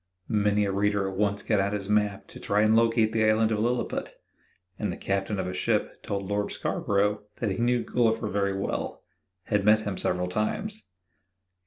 Many a reader at once got out his map to try and locate the Island of Lilliput, and the captain of a ship told Lord Scarborough that he knew Gulliver very well had met him several times.